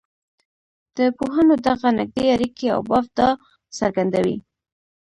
د پوهنو دغه نږدې اړیکي او بافت دا څرګندوي.